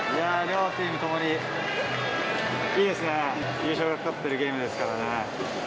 両チームともにいいですね、優勝がかかってるゲームですからね。